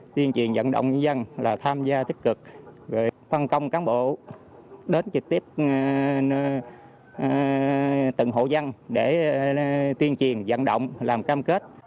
tuyên truyền dẫn động nhân dân là tham gia tích cực phân công cán bộ đến trực tiếp từng hộ dân để tuyên truyền dẫn động làm cam kết